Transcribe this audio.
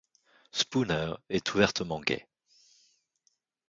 Spooner est ouvertement gay.